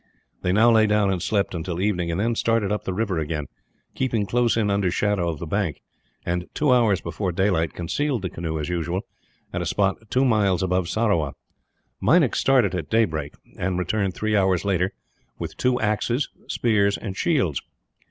They now lay down and slept until evening; and then started up the river again, keeping close in under shadow of the bank and, two hours before daylight, concealed the canoe as usual, at a spot two miles above Sarawa. Meinik started at daybreak, and returned three hours later with two axes, spears, and shields.